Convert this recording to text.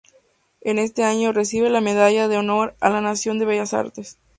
En este año, recibe la Medalla de Honor en la Nacional de Bellas Artes.